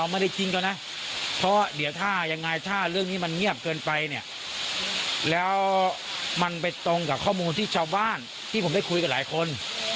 มันเป็นตรงกับข้อมูลที่ชาวบ้านที่ผมได้คุยกับหลายคน